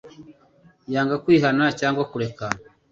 yanga kwihana cyangwa kureka,